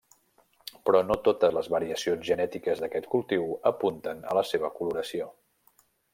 Però no totes les variacions genètiques d'aquest cultiu apunten a la seva coloració.